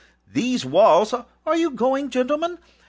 These wallsâare you going, gentlemen?